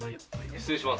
失礼します。